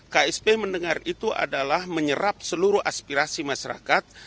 ksp mendengar itu adalah menyerap seluruh aspirasi masyarakat